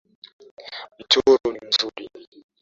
Mchoro ni mzuri